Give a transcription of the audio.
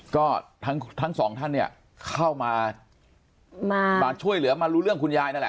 ก็ทั้งสองท่านเนี่ยเข้ามามาช่วยเหลือมารู้เรื่องคุณยายนั่นแหละ